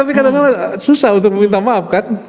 tapi kadang kadang susah untuk meminta maaf kan